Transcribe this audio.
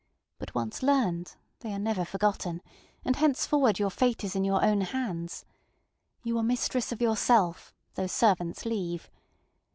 But, once learned, they are never forgotten, and henceforward your fate is in your own hands. You are mistress of yourself, though servants leave.